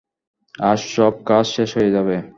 আজ সব কাজ শেষ হয়ে যাবে।